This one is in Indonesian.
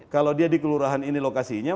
kalau dia di kelurahan ini lokasinya